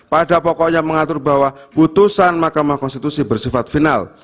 pada pokoknya mengatur bahwa putusan mahkamah konstitusi bersifat final